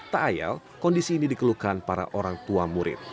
tak ayal kondisi ini dikeluhkan para orang tua murid